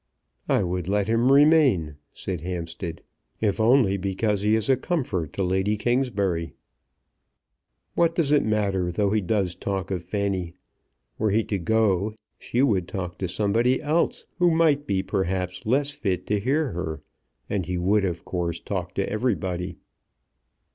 "I would let him remain," said Hampstead, "if only because he's a comfort to Lady Kingsbury. What does it matter though he does talk of Fanny? Were he to go she would talk to somebody else who might be perhaps less fit to hear her, and he would, of course, talk to everybody."